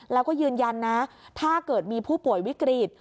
แล้วก็ยืนยันนะถ้าเกิดมีผู้ป่วยวิกฤต